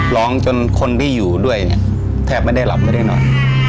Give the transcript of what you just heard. ร้องจนคนที่อยู่ด้วยเนี่ยแทบไม่ได้หลับไม่ได้นอน